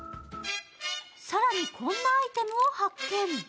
更にこんなアイテムを発見。